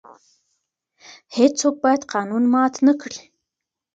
هیڅوک باید قانون مات نه کړي.